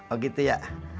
oh gitu ya